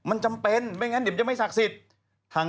ร้อยบาทได้ไหมคนขับแท็กซี่ก็